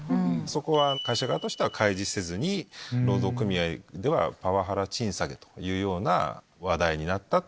そこは会社側としては開示せずに労働組合では。というような話題になった。